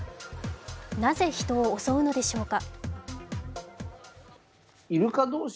なぜ人を襲うのでしょうか。